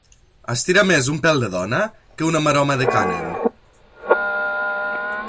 Estira més un pèl de dona que una maroma de cànem.